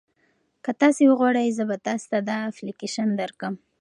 که تاسي وغواړئ زه به تاسي ته دا اپلیکیشن درکړم.